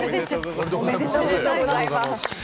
おめでとうございます！